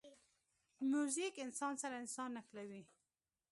موزیک انسان سره انسان نښلوي.